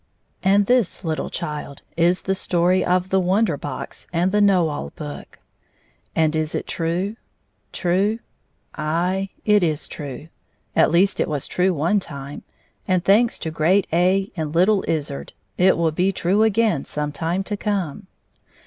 123 And this, little child, is the story of the Won der Box and the Know All Book. And is it true 1 True ? Aye, it is true. At least it was true one time, and thanks to great A and Httle izzard it will be true again sometime to come.